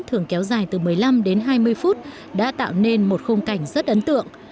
thường kéo dài từ một mươi năm đến hai mươi phút đã tạo nên một khung cảnh rất ấn tượng